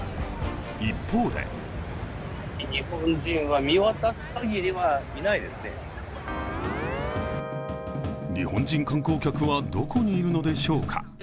一方で日本人観光客はどこにいるのでしょうか。